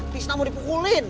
tisna mau dipukulin